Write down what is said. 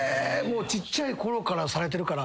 ちっちゃいころからされてるから。